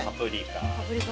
パプリカ。